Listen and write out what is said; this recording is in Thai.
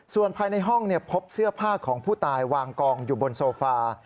ส่วนภายในห้องพบเสื้อผ้าของผู้ตายวางกองอยู่บนโซฟา